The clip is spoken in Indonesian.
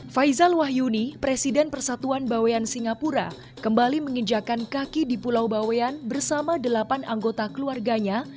faizal wahyuni presiden persatuan bawean singapura kembali menginjakan kaki di pulau bawean bersama delapan anggota keluarganya